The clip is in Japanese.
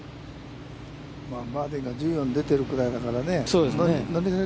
バーディーが１４出ているぐらいだから。